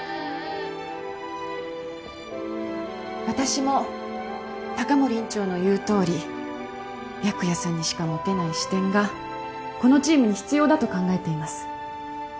私も高森院長の言うとおり白夜さんにしか持てない視点がこのチームに必要だと考えています。